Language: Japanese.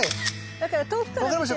だから遠くから見ても。